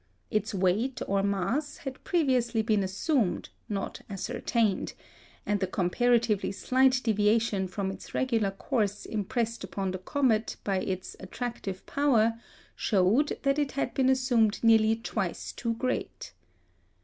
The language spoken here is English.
Its weight or mass had previously been assumed, not ascertained; and the comparatively slight deviation from its regular course impressed upon the comet by its attractive power showed that it had been assumed nearly twice too great.